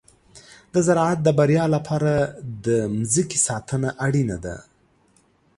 د زراعت د بریا لپاره د مځکې ساتنه اړینه ده.